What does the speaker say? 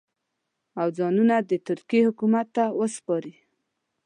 او ځانونه د ترکیې حکومت ته وسپاري.